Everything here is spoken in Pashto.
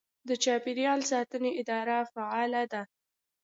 د چاپیریال ساتنې اداره فعاله ده.